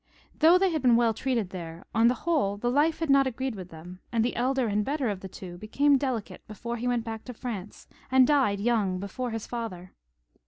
Though they had been well treated there, on the whole, the life had not agreed with them ; and the elder and better of the two became delicate before he went back to France, and died young before his father.